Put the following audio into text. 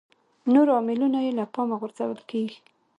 نور عاملونه یې له پامه غورځول کېږي.